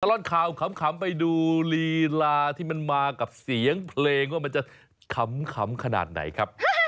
ตลอดข่าวขำไปดูลีลาที่มันมากับเสียงเพลงว่ามันจะขำขนาดไหนครับ